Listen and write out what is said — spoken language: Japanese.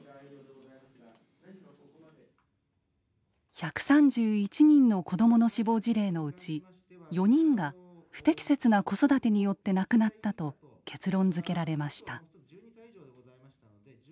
１３１人の子どもの死亡事例のうち４人が不適切な子育てによって亡くなったと結論づけられました。